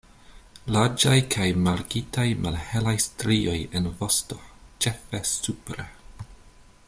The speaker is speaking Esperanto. Larĝaj kaj markitaj malhelaj strioj en vosto, ĉefe supre.